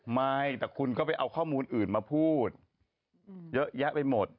ไม่แต่คุณก็ไปเอาข้อมูลอื่นมาพูดเยอะแยะไปหมด